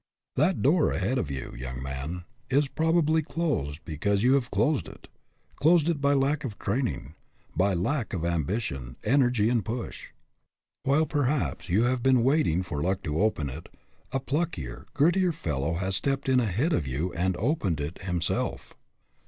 That door ahead of you, young man, is prob ably closed because you have closed it closed it by lack of training ; by a lack of ambition, energy, and push. While, perhaps, you have been waiting for luck to open it, a pluckier, grittier fellow has stepped in ahead of you and opened it himself.